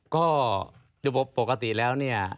ก็โดยปกปกติแล้ว